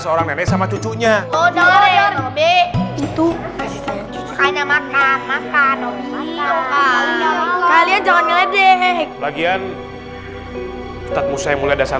itu makanya makan makan kalian jangan ngeledek lagian tetap usai mulai dasar